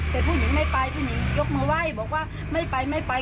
เค้าก็ผู้หญิงก็กะชะหรือประมาณนั้นกันไป